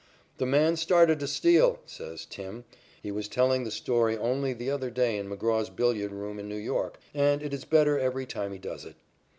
"The man started to steal," says "Tim." He was telling the story only the other day in McGraw's billiard room in New York, and it is better every time he does it.